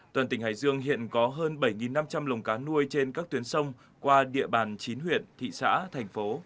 toàn tỉnh hải dương hiện có hơn bảy năm trăm linh lồng cá nuôi trên các tuyến sông qua địa bàn chín huyện thị xã thành phố